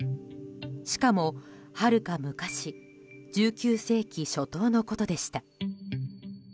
しかも、はるか昔１９世紀初頭のことでした。